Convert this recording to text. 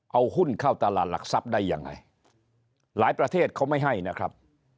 เอาหุ้นเข้าตลาดหลักทรัพย์ได้ยังไงหลายประเทศเขาไม่ให้นะครับ